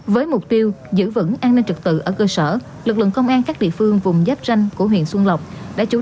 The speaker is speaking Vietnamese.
với mục tiêu giữ vững an ninh trực tự ở cơ sở lực lượng công an các địa phương vùng giáp ranh của huyện xuân lộc đã chủ